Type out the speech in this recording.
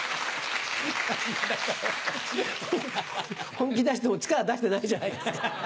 本気出しても力出してないじゃないですか。